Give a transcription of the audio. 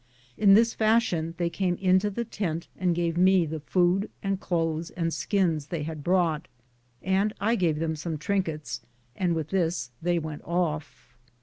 In this fashion they came into the tent and gave me the food and clothes and skins they had brought, and I gave them some trinkets, and with this they went off.